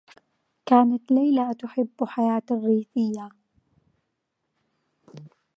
كانت ليلى تحبّ الحياة الرّيفيّة.